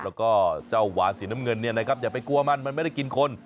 แล้วก็เจ้าวานสีน้ำเงินอย่าไปกลัวมันมันไม่ได้กินคน